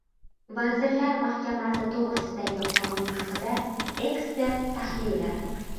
Vazirlar Mahkamasi to‘g‘risidagi qonun haqida. Ekspert tahlili